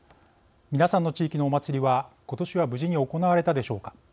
皆さんの地域のお祭りは今年は無事に行われたでしょうか。